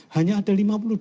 hanya ada lima puluh dua